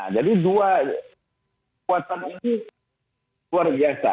dua kekuatan ini luar biasa